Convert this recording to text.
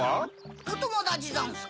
おともだちざんすか？